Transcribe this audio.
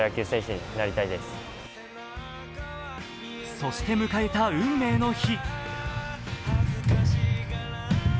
そして迎えた運命の日。